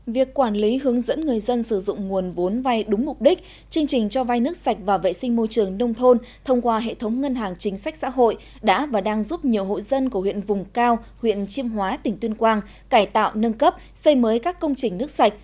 việc quản lý hướng dẫn người dân sử dụng nguồn vốn vay đúng mục đích chương trình cho vai nước sạch và vệ sinh môi trường nông thôn thông qua hệ thống ngân hàng chính sách xã hội đã và đang giúp nhiều hội dân của huyện vùng cao huyện chiêm hóa tỉnh tuyên quang cải tạo nâng cấp xây mới các công trình nước sạch